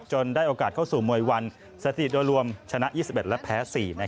ได้โอกาสเข้าสู่มวยวันสถิติโดยรวมชนะ๒๑และแพ้๔